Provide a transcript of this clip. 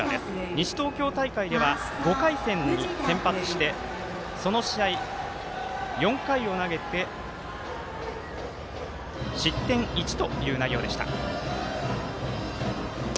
西東京大会では５回戦に先発してその試合、４回を投げて失点１という内容でした。